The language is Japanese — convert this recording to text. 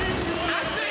熱い！